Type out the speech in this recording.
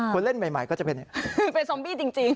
คนเล่นใหม่ก็จะเป็นซอมบี้จริง